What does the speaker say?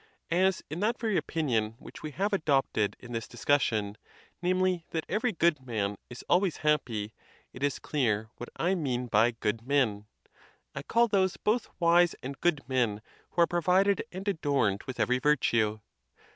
As in that very opinion which we have adopted in this discussion, namely, that every good man is always happy, it is clear what I mean by good men: I call those both wise and good men who are provided and adorned with every virtue.